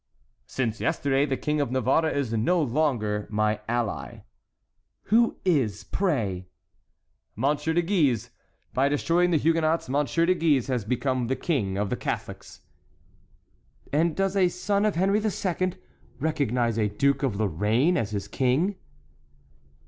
"Since yesterday the King of Navarre is no longer my ally." "Who is, pray?" "Monsieur de Guise. By destroying the Huguenots, Monsieur de Guise has become the king of the Catholics." "And does a son of Henry II. recognize a duke of Lorraine as his king?"